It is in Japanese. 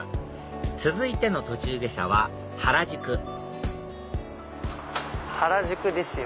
続いての途中下車は原宿原宿ですよ！